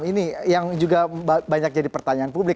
ini yang juga banyak jadi pertanyaan publik